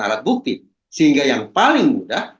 alat bukti sehingga yang paling mudah